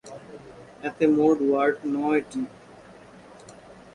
এতে মোট ওয়ার্ড নয়টি।